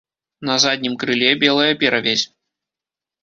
На заднім крыле белая перавязь.